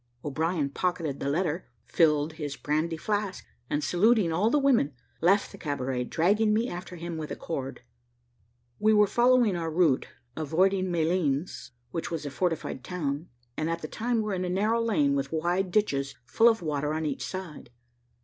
O'Brien pocketed the letter filled his brandy flask, and saluting all the women, left the cabaret, dragging me after him with a cord. We were following our route, avoiding Malines, which was a fortified town, and at the time were in a narrow lane, with wide ditches, full of water, on each side.